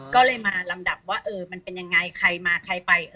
ก็เลยมาลำดับว่าเออมันเป็นยังไงใครมาใครไป